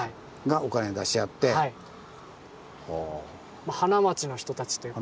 まあ花街の人たちということです。